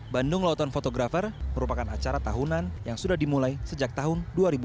bandung lautan fotografer merupakan acara tahunan yang sudah dimulai sejak tahun dua ribu dua